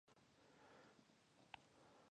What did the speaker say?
جبار: نورګله څه خبره ده.